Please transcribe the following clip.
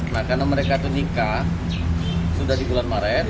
nah karena mereka itu nikah sudah di bulan maret